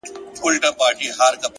پرمختګ د نن له پرېکړو پیلېږي’